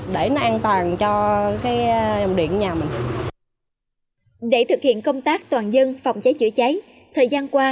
để thực hiện công tác toàn dân phòng cháy chữa cháy thời gian qua